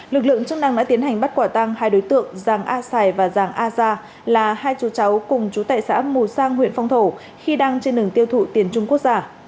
lực lượng chức năng đã tiến hành bắt quả tăng hai đối tượng giàng a sài và giàng a gia là hai chú cháu cùng chú tệ xã mù sang huyện phong thổ khi đang trên đường tiêu thụ tiền trung quốc giả